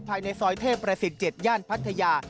ภายในซอยเทพประสิทธิ์๗ย่านพัทยา